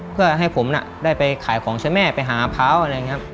เพื่อให้ผมได้ไปขายของใช่ไหมไปหาเขาอะไรอย่างนี้